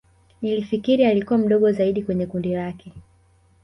Nilifikiri alikua mdogo zaidi kweye kundi lake